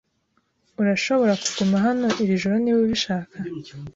Urashobora kuguma hano iri joro niba ubishaka.